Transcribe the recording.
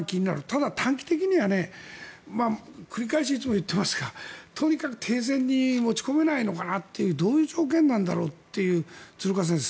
ただ、短期的には繰り返しいつも言っていますがとにかく停戦に持ち込めないのかなというどういう条件なんだろうっていう鶴岡先生